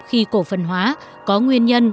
khi cổ phân hóa có nguyên nhân